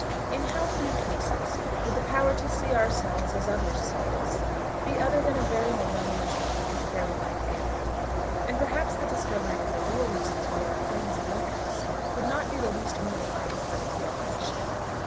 In how few cases would the power to "see oursel's as ithers see us" be other than a very malevolent and wicked fairy like gift! And, perhaps, the discovery of the real reasons why our friends like us, would not be the least mortifying part of the revelation.